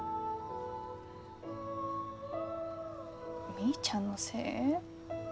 みーちゃんのせい？